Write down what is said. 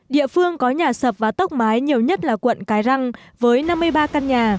địa phương có nhà sập và tốc mái nhiều nhất là quận cái răng với năm mươi ba căn nhà